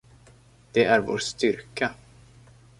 Det är vår styrka.